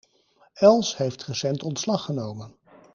Els heeft recent ontslag genomen.